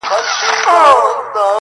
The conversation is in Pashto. ورځيني ليري گرځــم ليــري گــرځــــم~